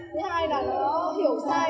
thứ hai là nó hiểu sai